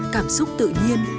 cảm xúc tự nhiên